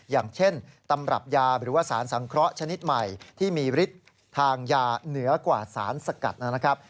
อย่างเช่นตำรับยาหรือว่าสารสังเคราะห์ชนิดใหม่ที่มีฤทธิ์ทางยาเหนือกว่าสารสกัดนะครับ